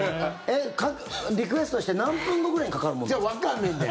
リクエストして何分後ぐらいにわからないんだよ。